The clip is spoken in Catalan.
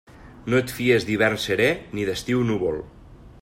No et fies d'hivern serè ni d'estiu núvol.